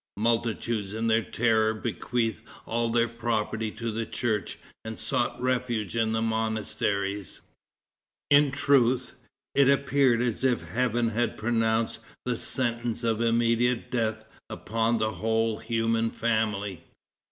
Multitudes in their terror bequeathed all their property to the church, and sought refuge in the monasteries. It truth, it appeared as if Heaven had pronounced the sentence of immediate death upon the whole human family.